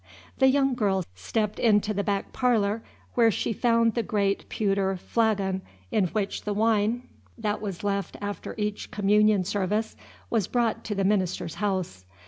The young girl stepped into the back parlor, where she found the great pewter flagon in which the wine that was left after each communion service was brought to the minister's house.